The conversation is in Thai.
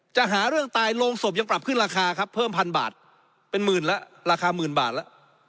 จะหาเรื่องตายโรงศพยังปรับขึ้นราคาครับเพิ่มพันบาทเป็นหมื่นแล้วราคาหมื่นบาทแล้ว